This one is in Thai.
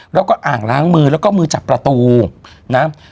แล้วก็อ่างล้างมือแล้วก็มือจับประตูนะ